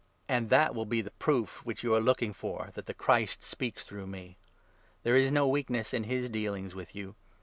And 3 that will be the proof, which you are looking for, that the Christ speaks through me. There is no weakness in his dealings with you.